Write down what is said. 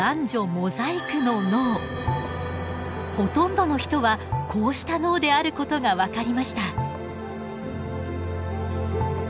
ほとんどの人はこうした脳であることが分かりました。